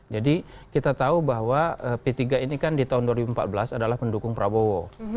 jadi kita tahu bahwa p tiga ini kan di tahun dua ribu empat belas adalah pendukung prabowo